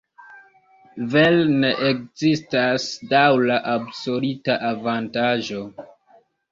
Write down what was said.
Vere ne ekzistas daŭra absoluta avantaĝo.